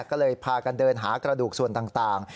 ก็เลยพากันเดินหากระดูกส่วนต่าง